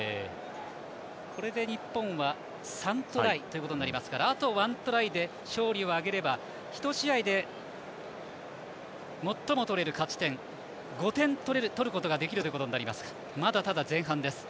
これで日本は３トライということになりますからあと１トライで勝利を挙げれば１試合で最も取れる勝ち点５点取ることができることになりますがただ、まだ前半です。